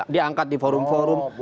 diangkat di forum forum